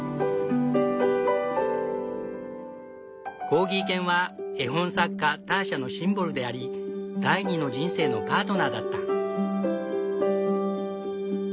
コーギー犬は絵本作家ターシャのシンボルであり第二の人生のパートナーだった。